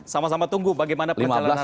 sama sama tunggu bagaimana perjalanan